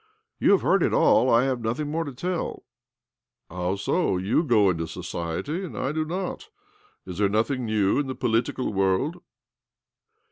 "You have heard it all. I have nothir more to tell." "How so? You go into society, ar I do not. Is there nothing new in tl political world?